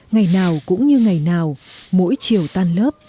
ngày nào cũng như ngày nào mỗi chiều tan lớp